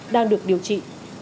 đang được điều trị